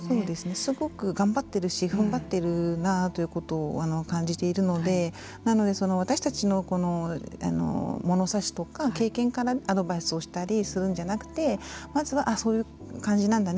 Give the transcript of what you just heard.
すごく頑張っているしふんばっているなということを感じているのでなので、私たちの物差しとか経験からアドバイスをしたりするんじゃなくてまずは、そういう感じなんだね